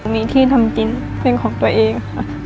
มีที่ทำกินเป็นของตัวเองค่ะ